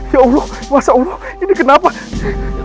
ya allah masa allah kenapa ini